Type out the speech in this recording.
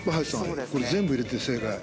これ全部入れて正解。